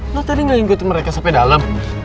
lo tadi gak ikutin mereka sampe dalam